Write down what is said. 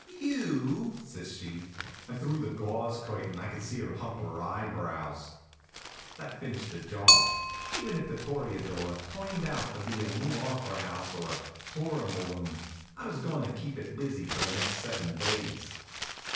"You!" says she, and through the gauze curtain I could see her hump her eyebrows. That finished the job. Even if The Toreador turned out to be a new opera house or a tourin' balloon, I was goin' to keep it busy for the next seven days.